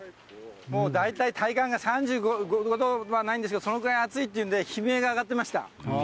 もう大体、体感が３５度はないんですけど、そのくらい暑いっていうんで、悲鳴が上がってました。